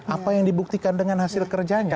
apa yang dibuktikan dengan hasil kerjanya